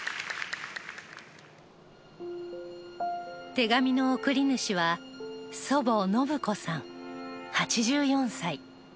手紙の送り主は祖母・信子さん、８４歳。